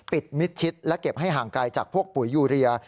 มิดชิดและเก็บให้ห่างไกลจากพวกปุ๋ยยูเรีย